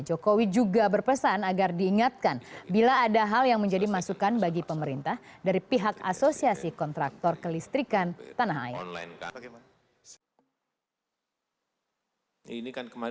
jokowi juga berpesan agar diingatkan bila ada hal yang menjadi masukan bagi pemerintah dari pihak asosiasi kontraktor kelistrikan tanah air